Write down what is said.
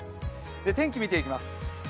天気見ていきます。